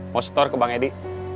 postor ke bang edi